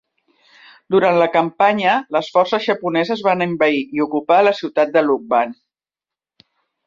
Durant la campanya, les forces japoneses van envair i ocupar la ciutat de Lucban.